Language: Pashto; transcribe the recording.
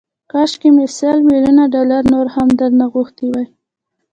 کاشکي مې سل ميليونه ډالر نور هم درنه غوښتي وای.